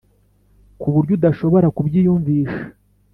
ku buryo udashobora kubyiyumvisha.